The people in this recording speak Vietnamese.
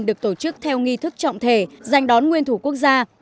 được tổ chức theo nghi thức trọng thể giành đón nguyên thủ quốc gia